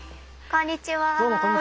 こんにちは。